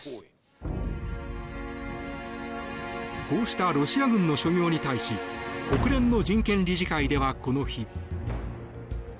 こうしたロシア軍の所業に対し国連の人権理事会ではこの日。